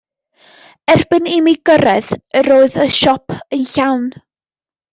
Erbyn i mi gyrraedd, yr oedd y siop yn llawn.